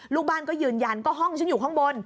ลูกบ้านก็ยืนยันก็ห้องฉันอยู่ข้างบน